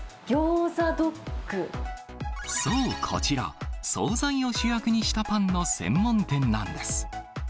そう、こちら、総菜を主役にしたパンの専門店なんです。